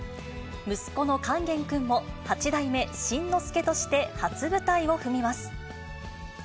息子の勸玄君も、八代目新之助として、初舞台を踏みます。